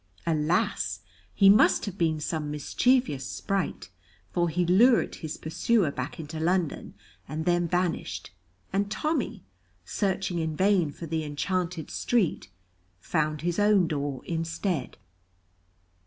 Alas! he must have been some mischievous sprite, for he lured his pursuer back into London and then vanished, and Tommy, searching in vain for the enchanted street, found his own door instead.